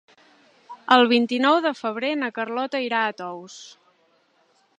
El vint-i-nou de febrer na Carlota irà a Tous.